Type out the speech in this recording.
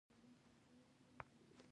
زه ستونزي د حللارو په توګه وینم.